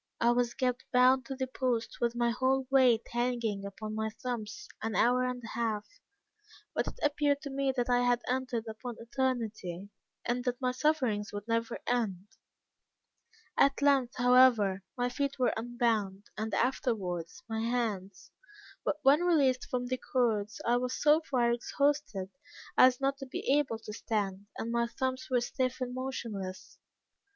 I was kept bound to the post with my whole weight hanging upon my thumbs, an hour and a half, but it appeared to me that I had entered upon eternity, and that my sufferings would never end. At length, however, my feet were unbound, and afterwards my hands; but when released from the cords, I was so far exhausted as not to be able to stand, and my thumbs were stiff and motionless.